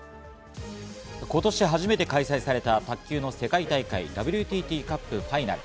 今年初めて開催された卓球の世界大会・ＷＴＴカップファイナル。